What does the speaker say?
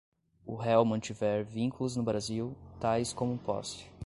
o réu mantiver vínculos no Brasil, tais como posse